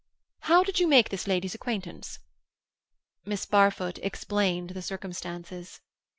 "How did you make this lady's acquaintance?" Miss Barfoot explained the circumstances.